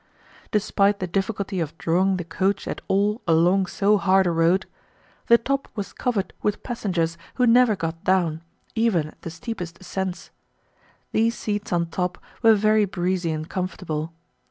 Despite the difficulty of drawing the coach at all along so hard a road, the top was covered with passengers who never got down, even at the steepest ascents. These seats on top were very breezy and comfortable.